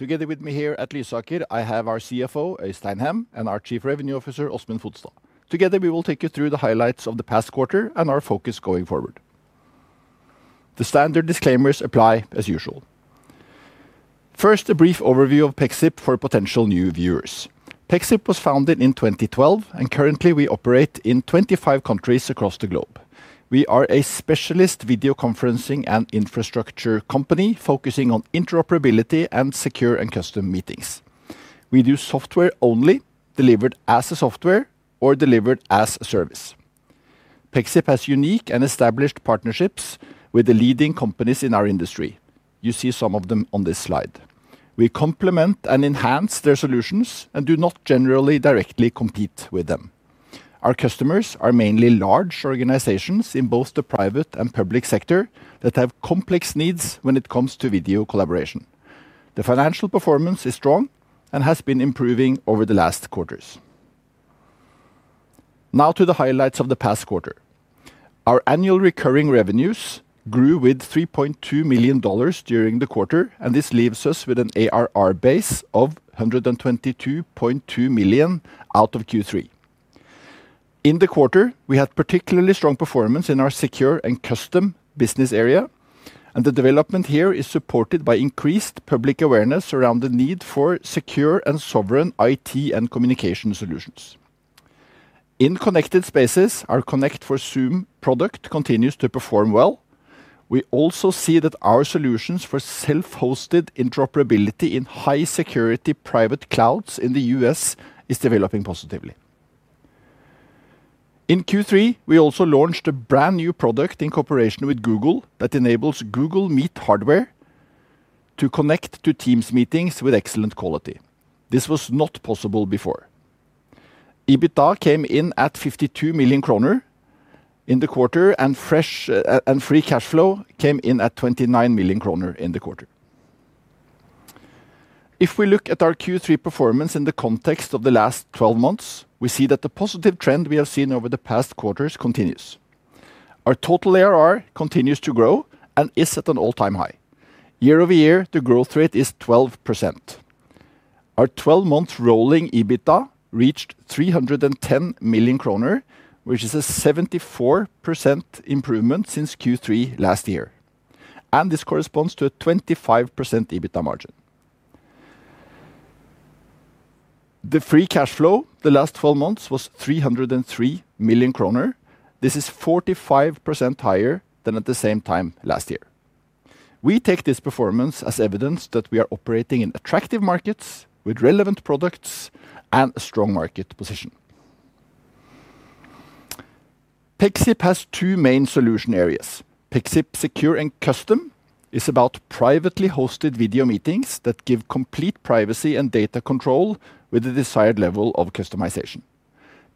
Together with me here at Lysaker, I have our CFO, Øystein Hem, and our Chief Revenue Officer, Åsmund Fodstad. Together, we will take you through the highlights of the past quarter and our focus going forward. The standard disclaimers apply as usual. First, a brief overview of Pexip for potential new viewers. Pexip was founded in 2012, and currently we operate in 25 countries across the globe. We are a specialist video conferencing and infrastructure company focusing on interoperability and Secure and Custom meetings. We do software only, delivered as software, or delivered as a service. Pexip has unique and established partnerships with the leading companies in our industry. You see some of them on this slide. We complement and enhance their solutions and do not generally directly compete with them. Our customers are mainly large organizations in both the private and public sector that have complex needs when it comes to video collaboration. The financial performance is strong and has been improving over the last quarters. Now to the highlights of the past quarter. Our annual recurring revenues grew with $3.2 million during the quarter, and this leaves us with an ARR base of $122.2 million out of Q3. In the quarter, we had particularly strong performance in our Secure and Custom business area, and the development here is supported by increased public awareness around the need for secure and sovereign IT and communication solutions. In Connected Spaces, our Connect for Zoom product continues to perform well. We also see that our solutions for self-hosted interoperability in high-security private clouds in the U.S. are developing positively. In Q3, we also launched a brand new product in cooperation with Google that enables Google Meet hardware to connect to Teams meetings with excellent quality. This was not possible before. EBITDA came in at 52 million kroner in the quarter, and free cash flow came in at 29 million kroner in the quarter. If we look at our Q3 performance in the context of the last 12 months, we see that the positive trend we have seen over the past quarters continues. Our total ARR continues to grow and is at an all-time high. Year over year, the growth rate is 12%. Our 12-month rolling EBITDA reached 310 million kroner, which is a 74% improvement since Q3 last year. This corresponds to a 25% EBITDA margin. The free cash flow the last 12 months was 303 million kroner. This is 45% higher than at the same time last year. We take this performance as evidence that we are operating in attractive markets with relevant products and a strong market position. Pexip has two main solution areas. Pexip Secure and Custom is about privately hosted video meetings that give complete privacy and data control with the desired level of customization.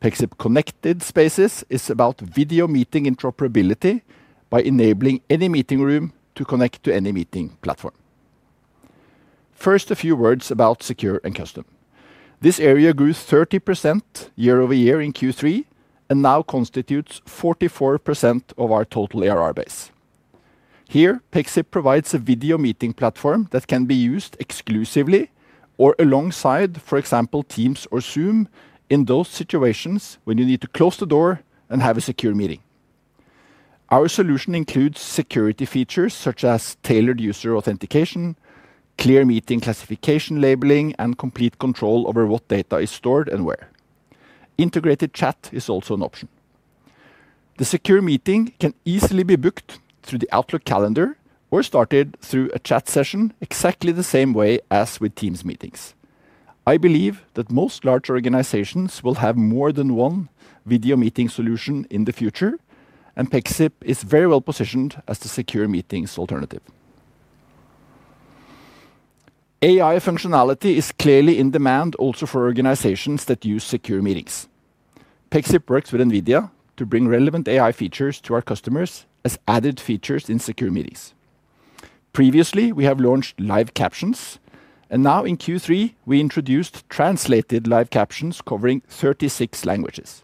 Pexip Connected Spaces is about video meeting interoperability by enabling any meeting room to connect to any meeting platform. First, a few words about Secure and Custom. This area grew 30% year over year in Q3 and now constitutes 44% of our total ARR base. Here, Pexip provides a video meeting platform that can be used exclusively or alongside, for example, Teams or Zoom in those situations when you need to close the door and have a secure meeting. Our solution includes security features such as tailored user authentication, clear meeting classification labeling, and complete control over what data is stored and where. Integrated chat is also an option. The secure meeting can easily be booked through the Outlook calendar or started through a chat session exactly the same way as with Teams meetings. I believe that most large organizations will have more than one video meeting solution in the future, and Pexip is very well positioned as the secure meetings alternative. AI functionality is clearly in demand also for organizations that use secure meetings. Pexip works with NVIDIA to bring relevant AI features to our customers as added features in secure meetings. Previously, we have launched Live Captions, and now in Q3, we introduced Translated Live Captions covering 36 languages.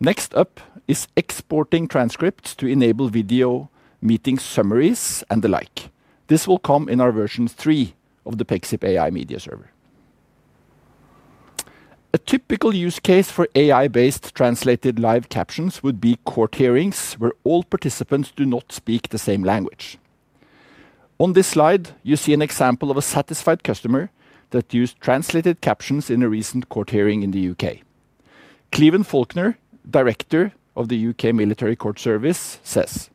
Next up is exporting transcripts to enable video meeting summaries and the like. This will come in our version three of the Pexip AI Media Server. A typical use case for AI-based Translated Live Captions would be court hearings where all participants do not speak the same language. On this slide, you see an example of a satisfied customer that used translated captions in a recent court hearing in the U.K. Cleveland Faulkner, Director of the U.K. Military Court Service, says,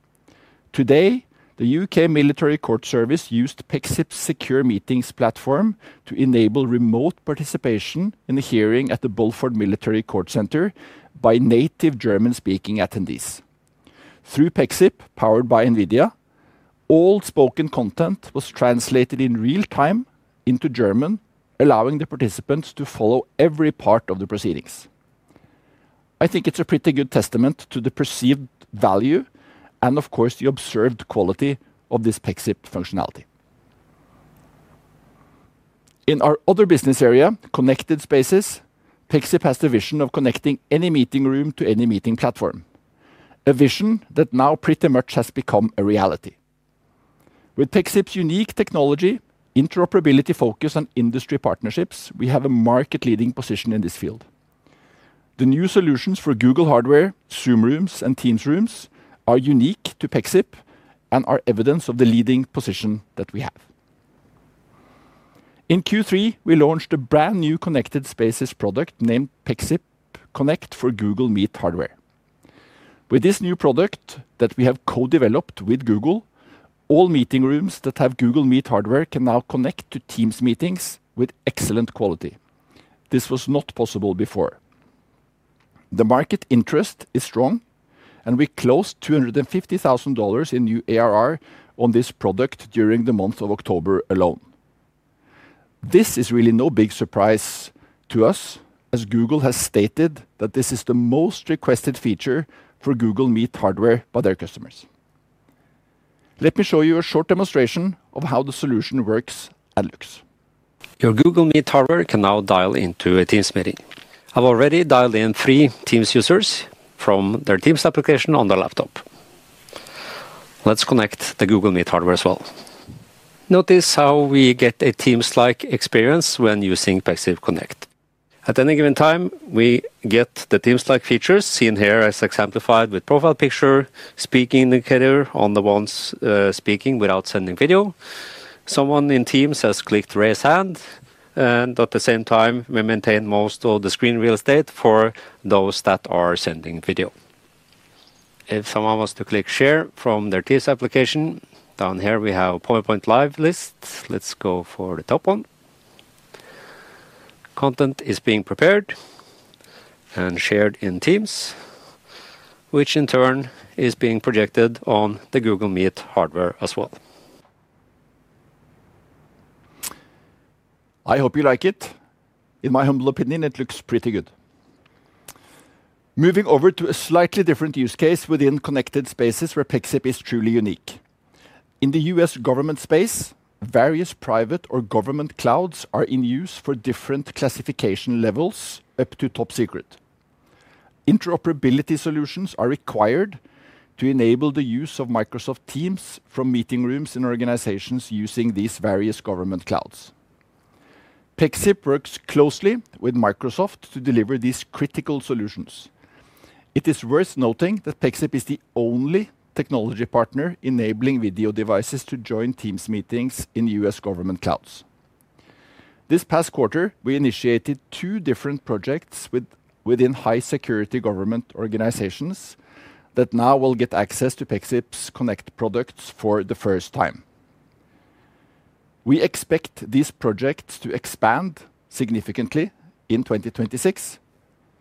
"Today, the U.K. Military Court Service used Pexip's secure meetings platform to enable remote participation in the hearing at the Beaufort Military Court Centre by native German-speaking attendees. Through Pexip, powered by NVIDIA, all spoken content was translated in real time into German, allowing the participants to follow every part of the proceedings." I think it's a pretty good testament to the perceived value and, of course, the observed quality of this Pexip functionality. In our other business area, Connected Spaces, Pexip has the vision of connecting any meeting room to any meeting platform. A vision that now pretty much has become a reality. With Pexip's unique technology, interoperability focus, and industry partnerships, we have a market-leading position in this field. The new solutions for Google hardware, Zoom Rooms, and Teams Rooms are unique to Pexip and are evidence of the leading position that we have. In Q3, we launched a brand new Connected Spaces product named Pexip Connect for Google Meet hardware. With this new product that we have co-developed with Google, all meeting rooms that have Google Meet hardware can now connect to Teams meetings with excellent quality. This was not possible before. The market interest is strong, and we closed $250,000 in new ARR on this product during the month of October alone. This is really no big surprise to us, as Google has stated that this is the most requested feature for Google Meet hardware by their customers. Let me show you a short demonstration of how the solution works and looks. Your Google Meet hardware can now dial into a Teams meeting. I've already dialed in three Teams users from their Teams application on their laptop. Let's connect the Google Meet hardware as well. Notice how we get a Teams-like experience when using Pexip Connect. At any given time, we get the Teams-like features seen here, as exemplified with profile picture, speaking indicator on the ones speaking without sending video. Someone in Teams has clicked "Raise Hand," and at the same time, we maintain most of the screen real estate for those that are sending video. If someone wants to click "Share" from their Teams application, down here, we have a PowerPoint Live list. Let's go for the top one. Content is being prepared. And shared in Teams. Which in turn is being projected on the Google Meet hardware as well. I hope you like it. In my humble opinion, it looks pretty good. Moving over to a slightly different use case within Connected Spaces where Pexip is truly unique. In the U.S. government space, various private or government clouds are in use for different classification levels up to top secret. Interoperability solutions are required to enable the use of Microsoft Teams from meeting rooms in organizations using these various government clouds. Pexip works closely with Microsoft to deliver these critical solutions. It is worth noting that Pexip is the only technology partner enabling video devices to join Teams meetings in U.S. government clouds. This past quarter, we initiated two different projects within high-security government organizations that now will get access to Pexip's Connect products for the first time. We expect these projects to expand significantly in 2026,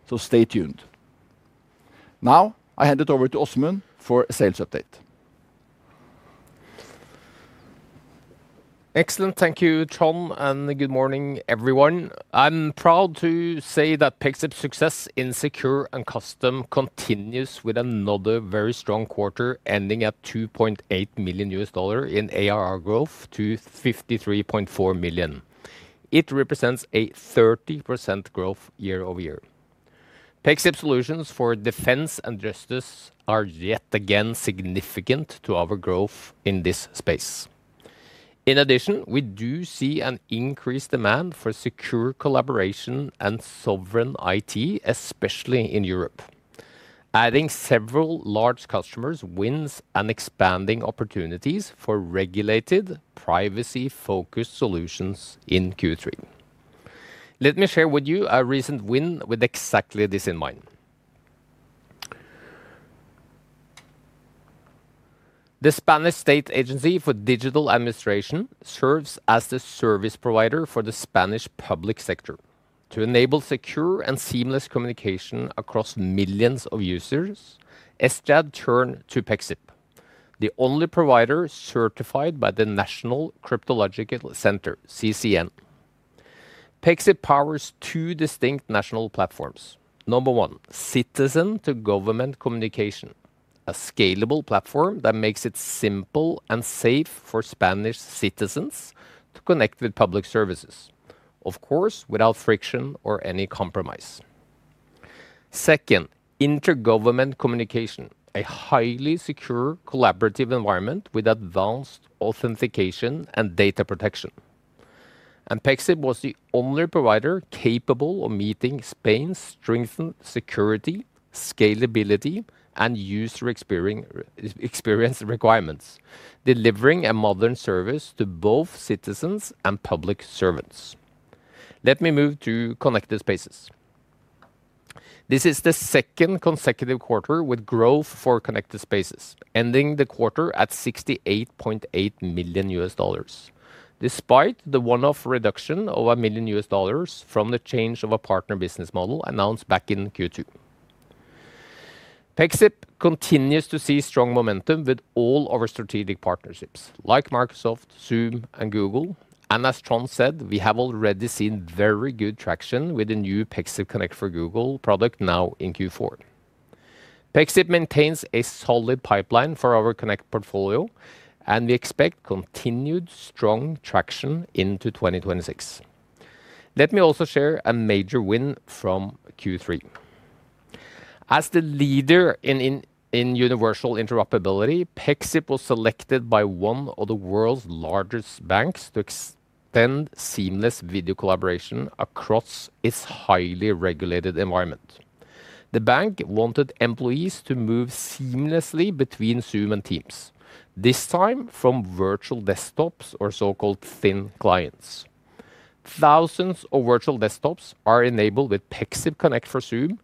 so stay tuned. Now, I hand it over to Åsmund for a sales update. Excellent. Thank you, Trond and good morning, everyone. I'm proud to say that Pexip's success in Secure and Custom continues with another very strong quarter ending at $2.8 million in ARR growth to $53.4 million. It represents a 30% growth year-over-year. Pexip's solutions for defense and justice are yet again significant to our growth in this space. In addition, we do see an increased demand for secure collaboration and sovereign IT, especially in Europe. Adding several large customer wins and expanding opportunities for regulated privacy-focused solutions in Q3. Let me share with you a recent win with exactly this in mind. The Spanish State Agency for Digital Administration serves as the service provider for the Spanish public sector. To enable secure and seamless communication across millions of users, ESTLAD turned to Pexip, the only provider certified by the National Cryptological Center, CCN. Pexip powers two distinct national platforms. Number one, citizen-to-government communication, a scalable platform that makes it simple and safe for Spanish citizens to connect with public services, of course, without friction or any compromise. Second, intergovernment communication, a highly secure collaborative environment with advanced authentication and data protection. Pexip was the only provider capable of meeting Spain's strengthened security, scalability, and user experience requirements, delivering a modern service to both citizens and public servants. Let me move to Connected Spaces. This is the second consecutive quarter with growth for Connected Spaces, ending the quarter at $68.8 million. Despite the one-off reduction of $1 million from the change of a partner business model announced back in Q2. Pexip continues to see strong momentum with all our strategic partnerships, like Microsoft, Zoom, and Google. As John said, we have already seen very good traction with the new Pexip Connect for Google product now in Q4. Pexip maintains a solid pipeline for our Connect portfolio, and we expect continued strong traction into 2026. Let me also share a major win from Q3. As the leader in universal interoperability, Pexip was selected by one of the world's largest banks to extend seamless video collaboration across its highly regulated environment. The bank wanted employees to move seamlessly between Zoom and Teams, this time from virtual desktops or so-called thin clients. Thousands of virtual desktops are enabled with Pexip Connect for Zoom,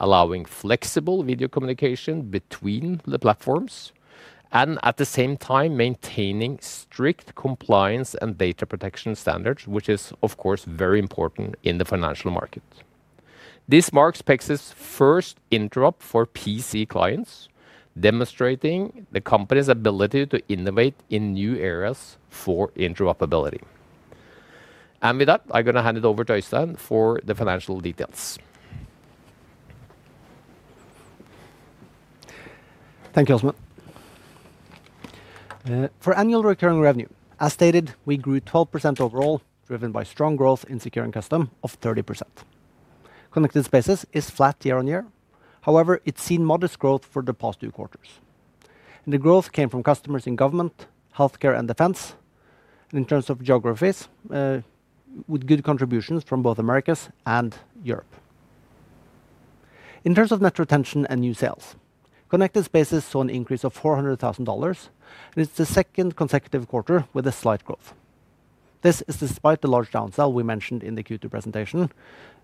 allowing flexible video communication between the platforms and at the same time maintaining strict compliance and data protection standards, which is, of course, very important in the financial market. This marks Pexip's first interop for PC clients, demonstrating the company's ability to innovate in new areas for interoperability. With that, I'm going to hand it over to Øystein for the financial details. Thank you, Åsmund. For annual recurring revenue, as stated, we grew 12% overall, driven by strong growth in Secure and Custom of 30%. Connected Spaces is flat year-on -year. However, it has seen modest growth for the past two quarters. The growth came from customers in government, healthcare, and defense. In terms of geographies, with good contributions from both Americas and Europe. In terms of net retention and new sales, Connected Spaces saw an increase of $400,000, and it is the second consecutive quarter with a slight growth. This is despite the large downsell we mentioned in the Q2 presentation,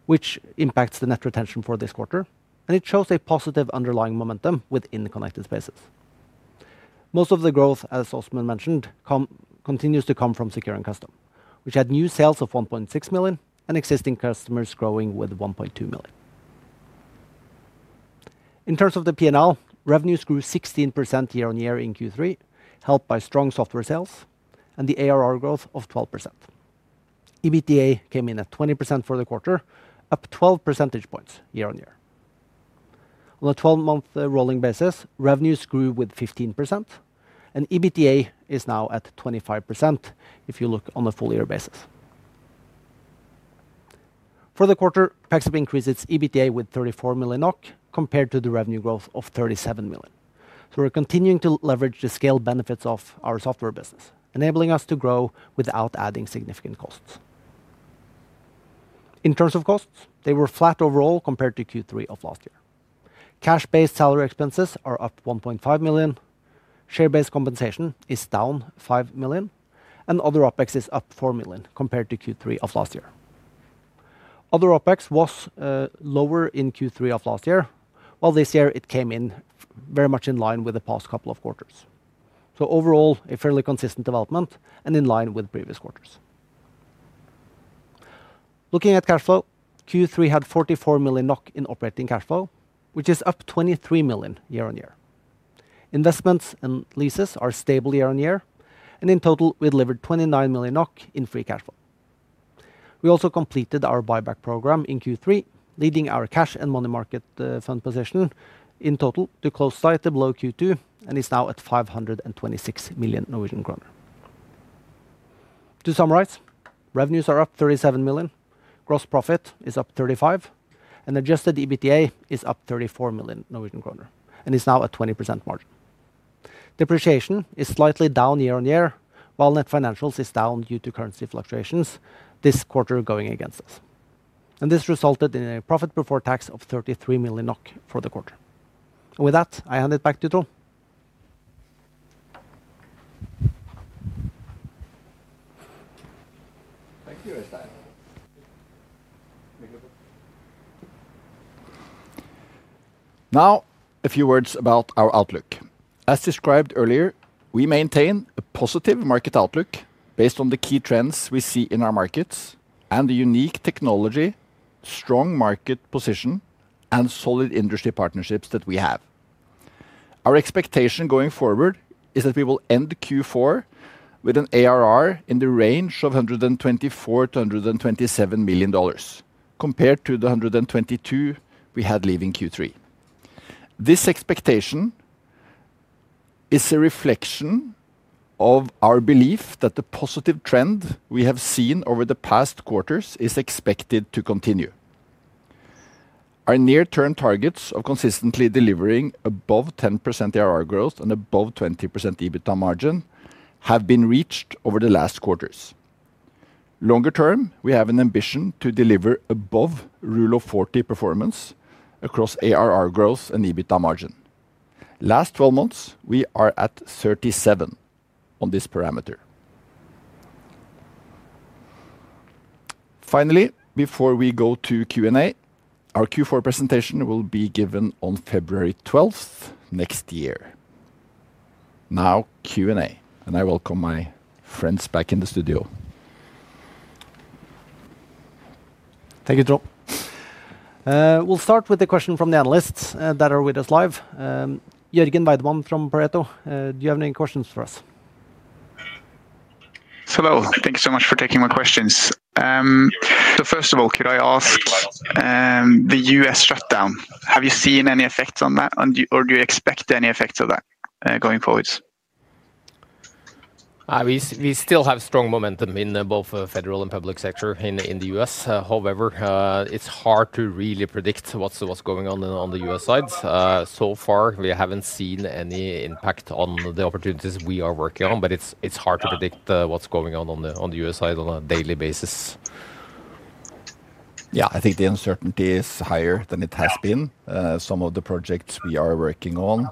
which impacts the net retention for this quarter, and it shows a positive underlying momentum within Connected Spaces. Most of the growth, as Åsmund mentioned, continues to come from Secure and Custom, which had new sales of $1.6 million and existing customers growing with $1.2 million. In terms of the P&L, revenues grew 16% year-on-year in Q3, helped by strong software sales and the ARR growth of 12%. EBITDA came in at 20% for the quarter, up 12 percentage points year on year. On a 12-month rolling basis, revenues grew with 15%, and EBITDA is now at 25% if you look on a full-year basis. For the quarter, Pexip increased its EBITDA with 34 million NOK compared to the revenue growth of 37 million. We're continuing to leverage the scale benefits of our software business, enabling us to grow without adding significant costs. In terms of costs, they were flat overall compared to Q3 of last year. Cash-based salary expenses are up 1.5 million. Share-based compensation is down 5 million, and other OpEx is up 4 million compared to Q3 of last year. Other OpEx was lower in Q3 of last year, while this year it came in very much in line with the past couple of quarters. Overall, a fairly consistent development and in line with previous quarters. Looking at cash flow, Q3 had 44 million NOK in operating cash flow, which is up 23 million year on year. Investments and leases are stable year on year, and in total, we delivered 29 million NOK in free cash flow. We also completed our buyback program in Q3, leading our cash and money market fund position in total to close slightly below Q2 and is now at 526 million Norwegian kroner. To summarize, revenues are up 37 million, gross profit is up 35 million, and adjusted EBITDA is up 34 million Norwegian kroner, and is now at 20% margin. Depreciation is slightly down year on year, while net financials is down due to currency fluctuations this quarter going against us. This resulted in a profit before tax of 33 million NOK for the quarter. With that, I hand it back to Trond. Thank you, Øystein. Now, a few words about our outlook. As described earlier, we maintain a positive market outlook based on the key trends we see in our markets and the unique technology, strong market position, and solid industry partnerships that we have. Our expectation going forward is that we will end Q4 with an ARR in the range of $124-$127 million, compared to the $122 we had leaving Q3. This expectation is a reflection of our belief that the positive trend we have seen over the past quarters is expected to continue. Our near-term targets of consistently delivering above 10% ARR growth and above 20% EBITDA margin have been reached over the last quarters. Longer term, we have an ambition to deliver above Rule of 40 performance across ARR growth and EBITDA margin. Last 12 months, we are at 37 on this parameter. Finally, before we go to Q&A, our Q4 presentation will be given on February 12th next year. Now, Q&A, and I welcome my friends back in the studio. Thank you, Trond. We'll start with a question from the analysts that are with us live. Jørgen Weidemann from Pareto, do you have any questions for us? Hello. Thank you so much for taking my questions. First of all, could I ask, the U.S. shutdown, have you seen any effects on that, or do you expect any effects of that going forward? We still have strong momentum in both federal and public sector in the U.S. However, it's hard to really predict what's going on on the U.S side. So far, we haven't seen any impact on the opportunities we are working on, but it's hard to predict what's going on on the U.S. side on a daily basis. Yeah, I think the uncertainty is higher than it has been. Some of the projects we are working on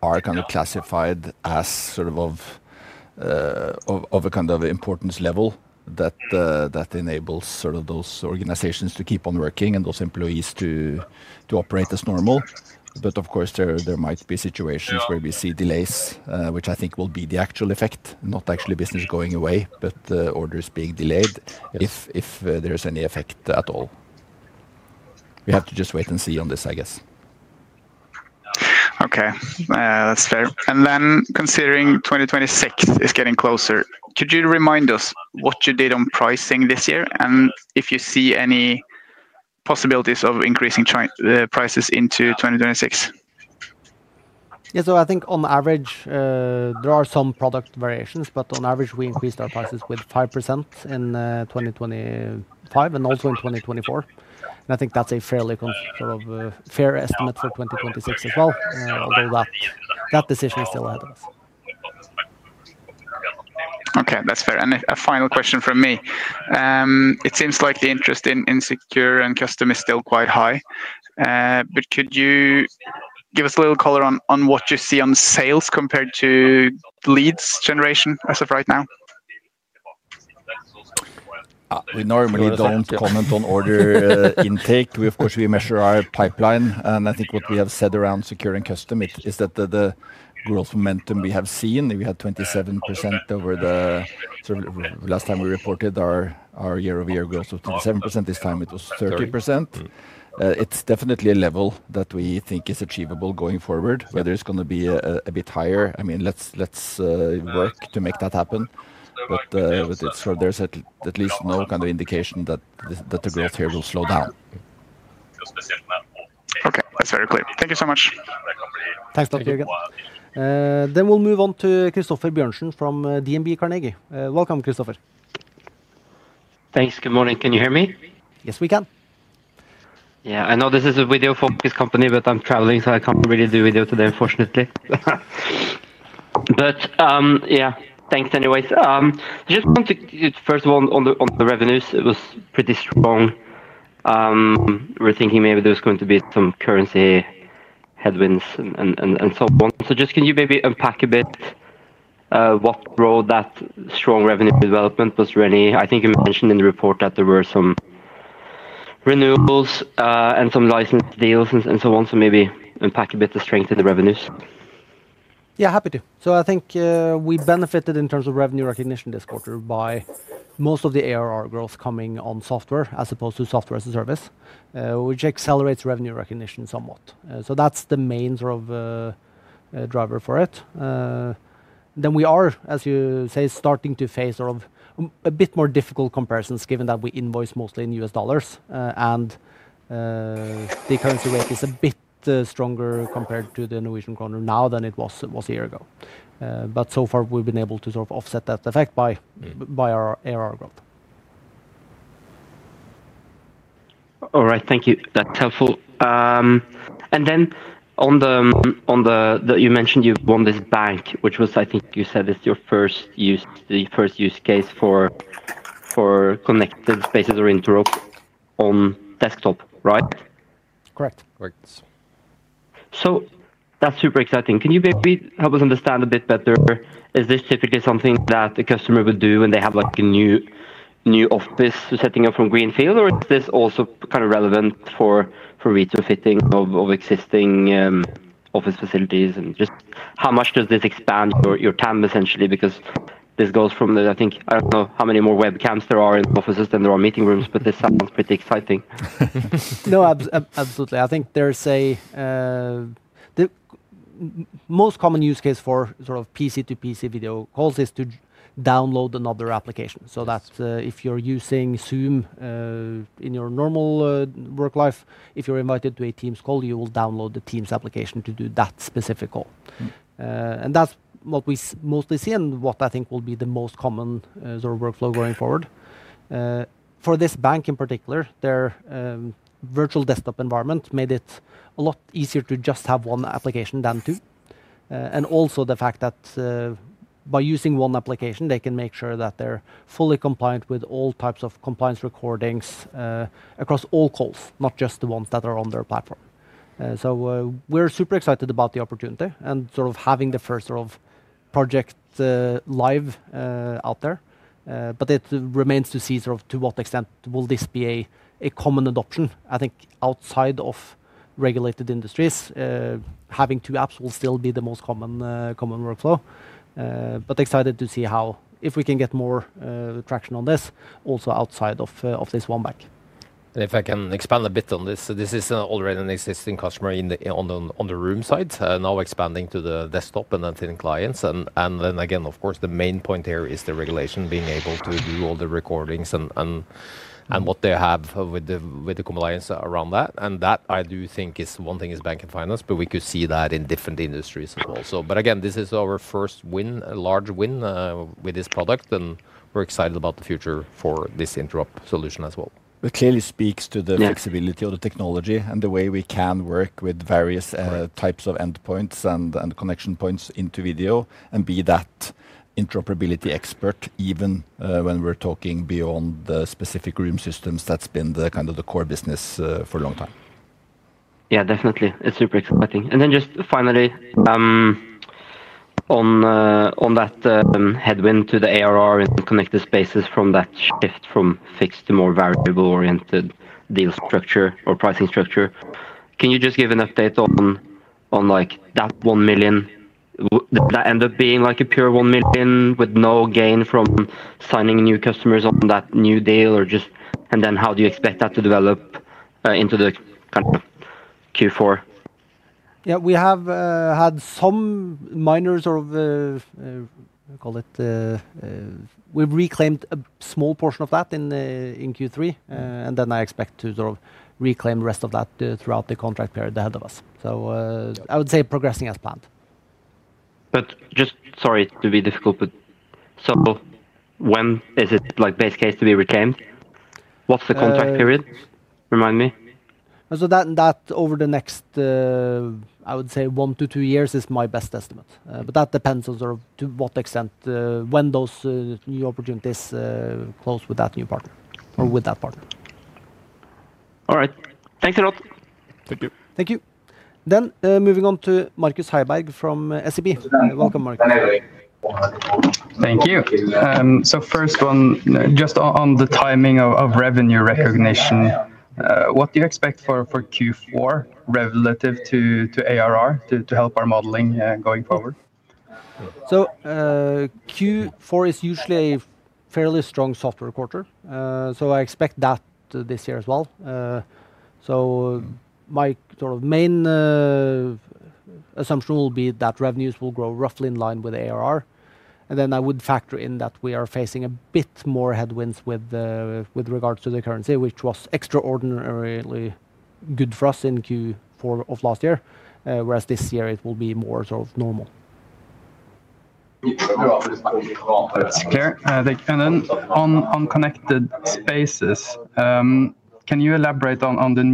are kind of classified as sort of of a kind of importance level that enables sort of those organizations to keep on working and those employees to operate as normal. Of course, there might be situations where we see delays, which I think will be the actual effect, not actually business going away, but orders being delayed if there's any effect at all. We have to just wait and see on this, I guess. Okay, that's fair. Then considering 2026 is getting closer, could you remind us what you did on pricing this year and if you see any possibilities of increasing prices into 2026? Yeah, so I think on average, there are some product variations, but on average, we increased our prices with 5% in 2025 and also in 2024. I think that's a fairly sort of fair estimate for 2026 as well, although that decision is still ahead of us. Okay, that's fair. A final question from me. It seems like the interest in Secure and Custom is still quite high. Could you give us a little color on what you see on sales compared to leads generation as of right now? We normally do not comment on order intake. We, of course, measure our pipeline. I think what we have said around Secure and Custom is that the growth momentum we have seen, we had 27% over the last time we reported our year-over-year growth of 27%, this time it was 30%. It is definitely a level that we think is achievable going forward, whether it is going to be a bit higher. I mean, let's work to make that happen. There is at least no kind of indication that the growth here will slow down. Okay, that's very clear. Thank you so much. Thanks, Tom. Thank you. And we'll move on to Christoffer Bjørnsen from DNB Carnegie. Welcome, Christopher. Thanks. Good morning. Can you hear me? Yes, we can. Yeah, I know this is a video focused company, but I'm traveling, so I can't really do video today, unfortunately. Yeah, thanks anyways. Just want to, first of all, on the revenues, it was pretty strong. We're thinking maybe there was going to be some currency headwinds and so on. Just can you maybe unpack a bit. What brought that strong revenue development? Was there any, I think you mentioned in the report that there were some renewals and some license deals and so on? Maybe unpack a bit the strength in the revenues. Yeah, happy to. I think we benefited in terms of revenue recognition this quarter by most of the ARR growth coming on software as opposed to software as a service, which accelerates revenue recognition somewhat. That is the main sort of driver for it. We are, as you say, starting to face sort of a bit more difficult comparisons given that we invoice mostly in U.S. dollars and the currency rate is a bit stronger compared to the Norwegian kroner now than it was a year ago. So far, we've been able to sort of offset that effect by our ARR growth. All right, thank you. That's helpful. Then on the, you mentioned you've won this bank, which was, I think you said it's your first use case for Connected Spaces or interop on desktop, right? Correct. Correct. That's super exciting. Can you maybe help us understand a bit better? Is this typically something that a customer would do when they have a new office setting up from Greenfield, or is this also kind of relevant for retrofitting of existing office facilities? Just how much does this expand your TAM, essentially? Because this goes from the, I think, I don't know how many more webcams there are in offices than there are meeting rooms, but this sounds pretty exciting. No, absolutely. I think there's a most common use case for sort of PC to PC video calls is to download another application. If you're using Zoom in your normal work life, if you're invited to a Teams call, you will download the Teams application to do that specific call. That's what we mostly see and what I think will be the most common sort of workflow going forward. For this bank in particular, their virtual desktop environment made it a lot easier to just have one application than two. Also, by using one application, they can make sure that they're fully compliant with all types of compliance recordings across all calls, not just the ones that are on their platform. We're super excited about the opportunity and sort of having the first sort of project live out there. It remains to see sort of to what extent will this be a common adoption. I think outside of regulated industries, having two apps will still be the most common workflow. Excited to see how, if we can get more traction on this, also outside of this one bank. If I can expand a bit on this, this is already an existing customer on the room side, now expanding to the desktop and then to the clients. The main point here is the regulation, being able to do all the recordings and what they have with the compliance around that. I do think one thing is bank and finance, but we could see that in different industries as well. This is our first win, a large win with this product, and we're excited about the future for this Interop solution as well. It clearly speaks to the flexibility of the technology and the way we can work with various types of endpoints and connection points into video and be that interoperability expert even when we're talking beyond the specific room systems that's been kind of the core business for a long time. Yeah, definitely. It's super exciting. And then just finally, on that headwind to the ARR and Connected Spaces from that shift from fixed to more variable-oriented deal structure or pricing structure, can you just give an update on that NOK N1 million? That ends up being like a pure 1 million with no gain from signing new customers on that new deal or just, and then how do you expect that to develop into the kind of Q4? Yeah, we have had some minors of, call it, we've reclaimed a small portion of that in Q3, and then I expect to sort of reclaim the rest of that throughout the contract period ahead of us. I would say progressing as planned. Sorry to be difficult, but so, when is it, like, best case to be reclaimed? What's the contract period? Remind me. That over the next, I would say, one to two years is my best estimate. But that depends on sort of to what extent, when those new opportunities close with that new partner or with that partner. All right. Thanks a lot. Thank you. Thank you. Moving on to Markus Heiberg from SEB. Welcome, Markus. Thank you. First one, just on the timing of revenue recognition, what do you expect for Q4 relative to ARR to help our modeling going forward? Q4 is usually a fairly strong software quarter. I expect that this year as well. My sort of main assumption will be that revenues will grow roughly in line with ARR. I would factor in that we are facing a bit more headwinds with regards to the currency, which was extraordinarily good for us in Q4 of last year, whereas this year it will be more sort of normal. That's clear. Thank you. On Connected Spaces, can you elaborate on the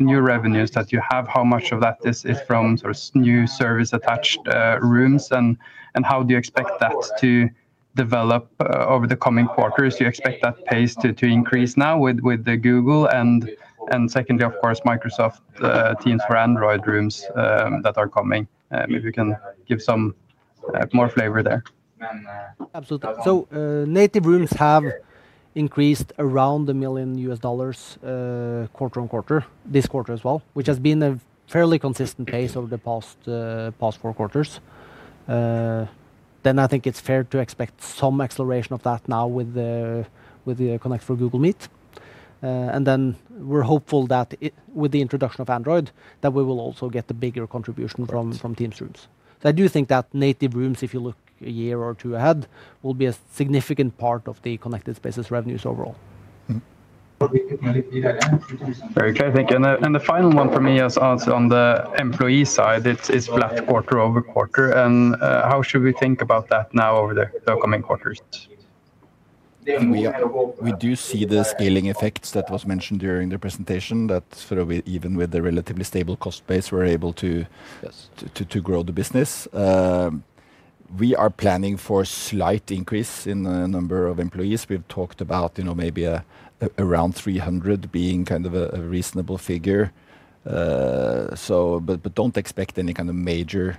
new revenues that you have? How much of that is from sort of new service-attached rooms, and how do you expect that to develop over the coming quarters? Do you expect that pace to increase now with Google? Secondly, of course, Microsoft Teams Rooms for Android that are coming. Maybe you can give some more flavor there. Absolutely. Native rooms have increased around $1 million quarter on quarter this quarter as well, which has been a fairly consistent pace over the past four quarters. I think it's fair to expect some acceleration of that now with the Connect for Google Meet. We are hopeful that with the introduction of Android, we will also get the bigger contribution from Teams Rooms. I do think that native rooms, if you look a year or two ahead, will be a significant part of the Connected Spaces revenues overall. Very good. Thank you. The final one for me is on the employee side. It's flat quarter over quarter. How should we think about that now over the coming quarters? We do see the scaling effects that was mentioned during the presentation that sort of even with the relatively stable cost base, we're able to grow the business. We are planning for a slight increase in the number of employees. We've talked about maybe around 300 being kind of a reasonable figure. Do not expect any kind of major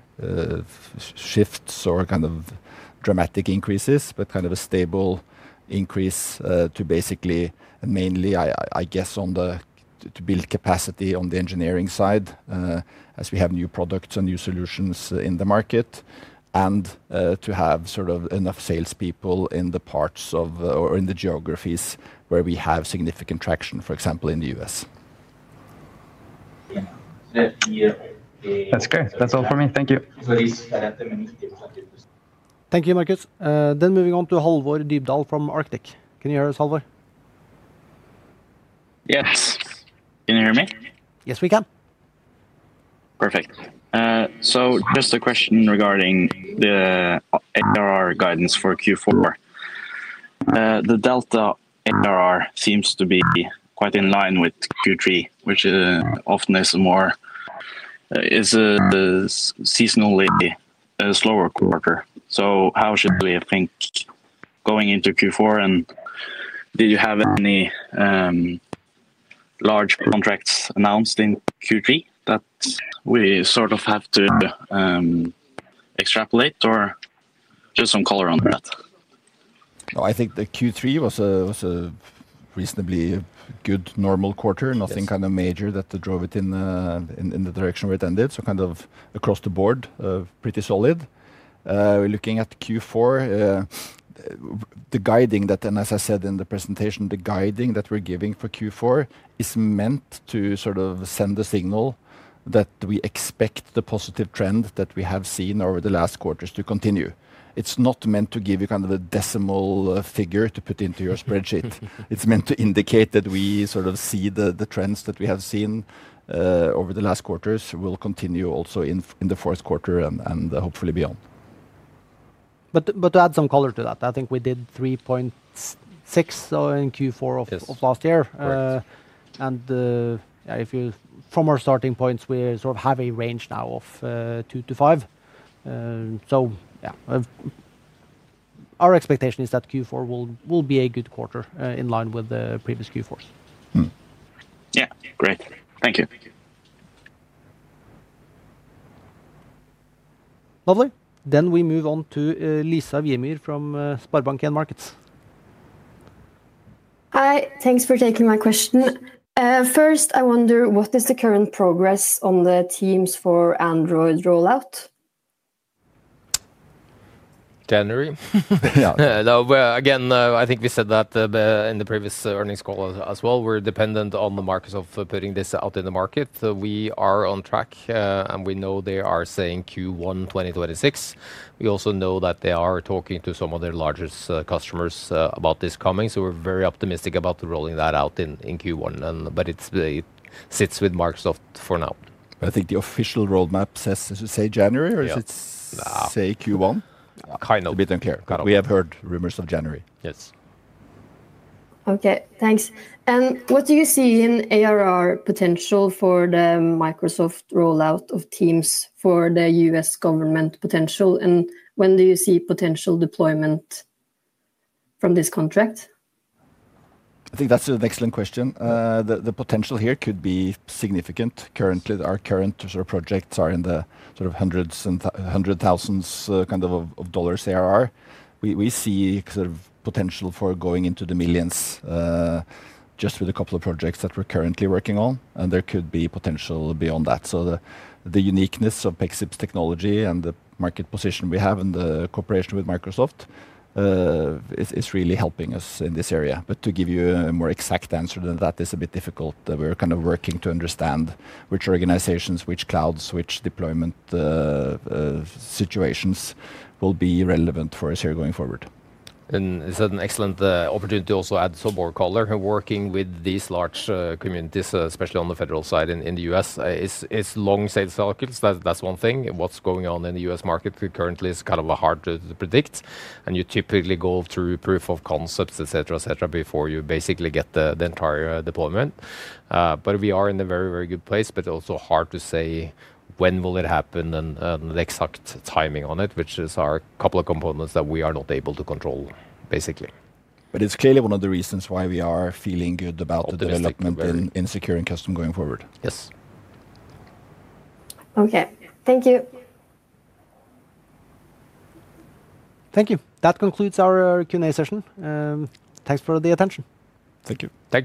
shifts or kind of dramatic increases, but kind of a stable increase to basically mainly, I guess, to build capacity on the engineering side as we have new products and new solutions in the market. And to have sort of enough salespeople in the parts of or in the geographies where we have significant traction, for example, in the US. That's great. That's all for me. Thank you. Thank you, Markus. Moving on to Halvor Dybdahl from Arctic. Can you hear us, Halvor? Yes. Can you hear me? Yes, we can. Perfect. Just a question regarding the ARR guidance for Q4. The Delta ARR seems to be quite in line with Q3, which often is a more, is a seasonally slower quarter. How should we think going into Q4? Did you have any large contracts announced in Q3 that we sort of have to extrapolate or just some color on that? No, I think the Q3 was a reasonably good normal quarter. Nothing kind of major that drove it in the direction where it ended. Kind of across the board, pretty solid. Looking at Q4, the guiding that, and as I said in the presentation, the guiding that we're giving for Q4 is meant to sort of send the signal that we expect the positive trend that we have seen over the last quarters to continue. It's not meant to give you kind of a decimal figure to put into your spreadsheet. It's meant to indicate that we sort of see the trends that we have seen over the last quarters will continue also in the fourth quarter and hopefully beyond. To add some color to that, I think we did 3.6 in Q4 of last year. From our starting points, we sort of have a range now of 2-5. Yeah, our expectation is that Q4 will be a good quarter in line with the previous Q4s. Yeah, great. Thank you. Lovely. We move on to Lisa Wiermyhr from SpareBank 1 Markets. Hi, thanks for taking my question. First, I wonder what is the current progress on the Teams Rooms for Android rollout? January. Again, I think we said that in the previous earnings call as well. We're dependent on the markets of putting this out in the market. We are on track and we know they are saying Q1 2026. We also know that they are talking to some of their largest customers about this coming. We are very optimistic about rolling that out in Q1, but it sits with Microsoft for now. I think the official roadmap says January or is it Q1? Kind of. We have heard rumors of January. Yes. Okay, thanks. What do you see in ARR potential for the Microsoft rollout of Teams for the U.S. government potential? When do you see potential deployment from this contract? I think that's an excellent question. The potential here could be significant. Currently, our current sort of projects are in the sort of hundreds and hundred thousands of dollars ARR. We see sort of potential for going into the millions. Just with a couple of projects that we're currently working on, and there could be potential beyond that. The uniqueness of Pexip's technology and the market position we have and the cooperation with Microsoft is really helping us in this area. To give you a more exact answer than that is a bit difficult. We're kind of working to understand which organizations, which clouds, which deployment situations will be relevant for us here going forward. Is that an excellent opportunity also at some more color working with these large communities, especially on the federal side in the U.S.? It's long sales cycles. That's one thing. What's going on in the U.S. market currently is kind of hard to predict. You typically go through proof of concepts, et cetera, et cetera, before you basically get the entire deployment. We are in a very, very good place, but also hard to say when will it happen and the exact timing on it, which is a couple of components that we are not able to control, basically. It is clearly one of the reasons why we are feeling good about the development in Secure and Custom going forward. Yes. Okay, thank you. Thank you. That concludes our Q&A session. Thanks for the attention. Thank you. Thank you.